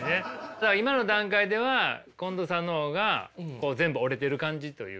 じゃあ今の段階では近藤さんの方が全部折れてる感じというか。